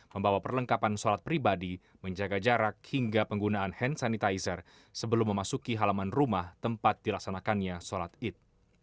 membawa perlengkapan sholat pribadi menjaga jarak hingga penggunaan hand sanitizer sebelum memasuki halaman rumah tempat dilaksanakannya sholat id